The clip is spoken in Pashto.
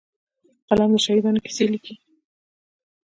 قلم د شهیدانو کیسې لیکي